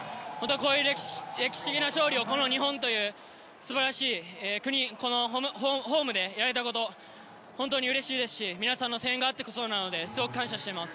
こういう歴史的勝利をこの日本という素晴らしい国ホームでやれたことは本当にうれしいですし皆さんの声援があってこそなので感謝しています。